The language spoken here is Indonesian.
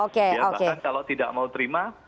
kalau tidak mau terima